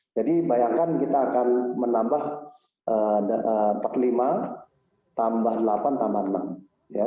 jadi bayangkan kita akan menambah empat puluh lima tambah delapan tambah enam